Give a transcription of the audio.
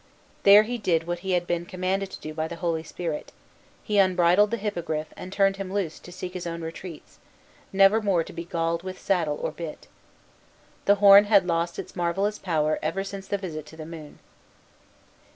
There he did what he had been commanded to do by the holy saint; he unbridled the Hippogriff, and turned him loose to seek his own retreats, never more to be galled with saddle or bit. The horn had lost its marvellous power ever since the visit to the moon.